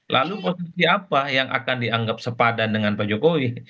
lalu posisi apa yang akan dianggap sepadan dengan pak jokowi